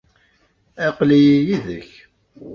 Aql-iyi yid-k.